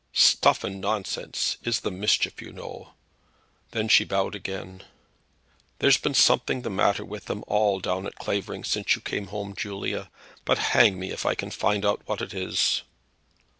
"Stuff and nonsense is the mischief, you know." Then she bowed again. "There's been something the matter with them all down at Clavering since you came home, Julia; but hang me if I can find out what it is!"